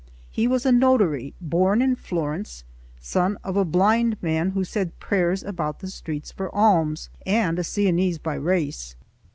He was a notary, born in Florence, son of a blind man who said prayers about the streets for alms, and a Sienese by race.